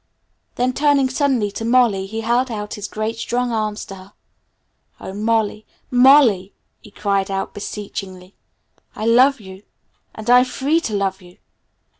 Then turning suddenly to Molly he held out his great strong arms to her. "Oh, Molly, Molly!" he cried out beseechingly, "I love you! And I'm free to love you!